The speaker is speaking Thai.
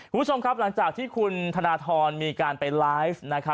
คุณผู้ชมครับหลังจากที่คุณธนทรมีการไปไลฟ์